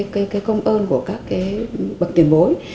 cái công ơn của các bậc tuyển bối